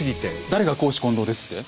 誰が公私混同ですって？